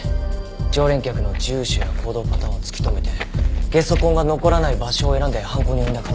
常連客の住所や行動パターンを突き止めてゲソ痕が残らない場所を選んで犯行に及んだ可能性がある。